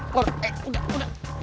kur eh udah udah